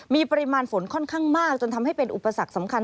มีปริมาณฝนค่อนข้างมากจนทำให้เป็นอุปสรรคสำคัญ